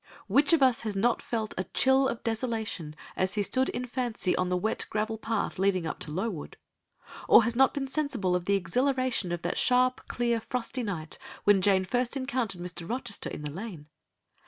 Which of us has not felt a chill of desolation as he stood in fancy on the wet gravel path leading up to Lowood? or not been sensible of the exhilaration of that sharp, clear, frosty night when Jane first encountered Mr. Rochester in the lane?